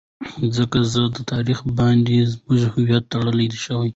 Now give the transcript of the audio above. ځکه زموږ تاريخ باندې زموږ هويت ټړل شوى.